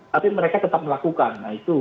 tapi mereka tetap melakukan